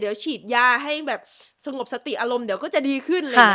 เดียวฉีดยาให้แบบสงบสติอารมณ์เดี๋ยวก็จะดีขึ้นเลย